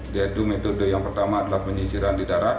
dia itu metode yang pertama adalah penyisiran di darat